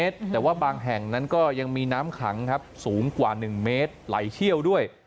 แต่ว่าบางแห่งนั้นก็ยังมีน้ำขังครับสูงกว่า๑เมตรไหลเชี่ยวด้วย